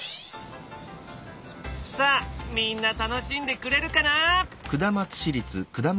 さあみんな楽しんでくれるかな。